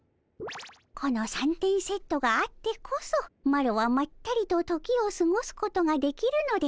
この三点セットがあってこそマロはまったりと時をすごすことができるのでおじゃる。